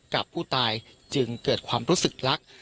กับผู้ตายจึงเกิดความรู้สึกรัก